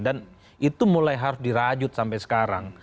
dan itu mulai harus dirajut sampai sekarang